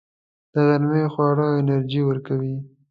د غرمې خواړه انرژي ورکوي